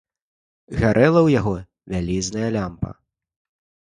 Гарэла ў яго вялізная лямпа.